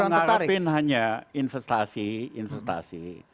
kita ngeharapin hanya investasi investasi